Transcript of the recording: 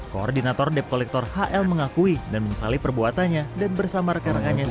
koordinator dep kolektor hl mengakui dan menyesali perbuatannya dan bersama rekan rekannya siap